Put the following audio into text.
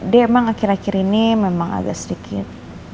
dia emang akhir akhir ini memang agak sedikit